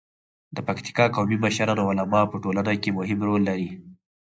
د پکتیکا قومي مشران او علما په ټولنه کې مهم رول لري.